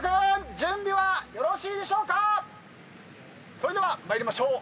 それでは参りましょう。